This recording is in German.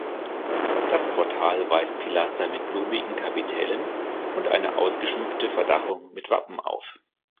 Das Portal weist Pilaster mit blumigen Kapitellen und eine ausgeschmückte Verdachung mit Wappen auf.